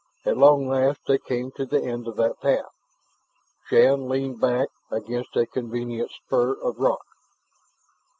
At long last they came to the end of that path. Shann leaned back against a convenient spur of rock.